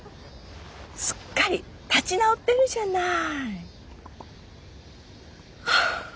すっかり立ち直ってるじゃない。